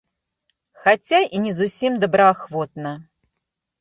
Хаця і не зусім добраахвотна.